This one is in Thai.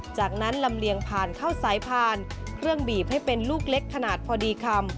จากนั้นลำเลียงผ่านเข้าสายผ่านเครื่องบีบให้เป็นลูกเล็กขนาดพอดีคำ